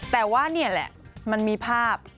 แต่ว่านี่แหละมันมีภาพ